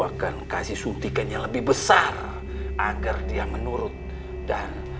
akan kasih suntikannya lebih besar agar dia menurut dan